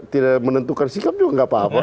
tidak menentukan sikap juga nggak apa apa